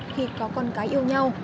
khi có con cái yêu nhau